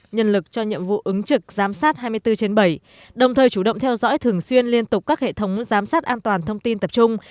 nhân lực cho nhiệm vụ ứng trực giám sát hai mươi bốn trên bảy đồng thời chủ động theo dõi thường xuyên liên tục các hệ thống giám sát an toàn thông tin tập trung